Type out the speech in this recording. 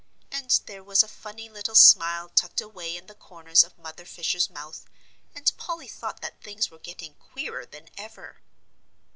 And there was a funny little smile tucked away in the corners of Mother Fisher's mouth, and Polly thought that things were getting queerer than ever.